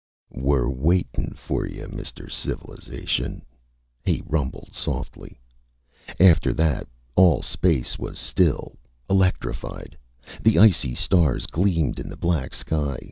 "We're waitin' for yuh, Mr. Civilization," he rumbled softly. After that, all space was still electrified. The icy stars gleamed in the black sky.